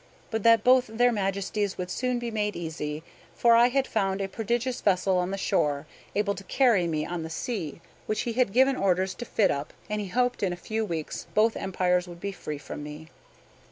But that both their Majesties would soon be made easy; for I had found a prodigious vessel on the shore, able to carry me on the sea, which he had given orders to fit up; and he hoped in a few weeks both empires would be free from me.